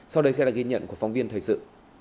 sau đây sẽ là ghi nhận của phóng viên thời sự